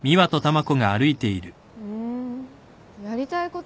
ふんやりたいことね。